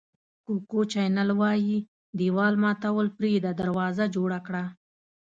کوکو چینل وایي دېوال ماتول پرېږده دروازه جوړه کړه.